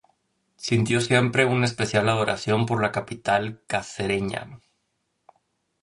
Sintió siempre una especial adoración por la capital cacereña.